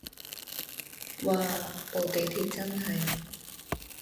嘩部地鐵真係